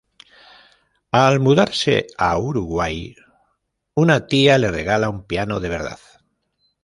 Al mudarse a Uruguay, una tía le regala un piano de verdad.